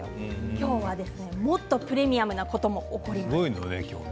今日はプレミアムなことが起こります。